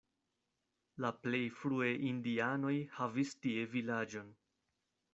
La plej frue indianoj havis tie vilaĝon.